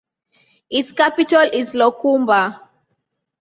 Its capital is Locumba.